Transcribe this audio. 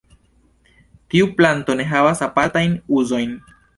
Tiu planto ne havas apartajn uzojn.